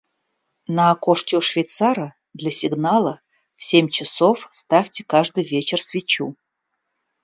На окошке у швейцара для сигнала в семь часов ставьте каждый вечер свечу.